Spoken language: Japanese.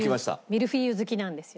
ミルフィーユ好きなんですよ。